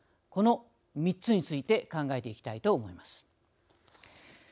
この３つについて考えていきたいと思います。